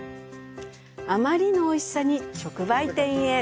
あまりのおいしさに直売店へ。